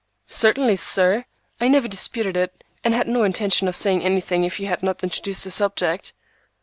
"Certainly, sir. I never disputed it, and had no intention of saying anything if you had not introduced the subject."